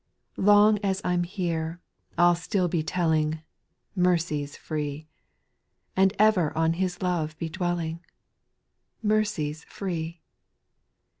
4. Long as I'm here, I'll still be telling, Mercy 's free. And ever on His love be dwelling ;— Mercy 's free.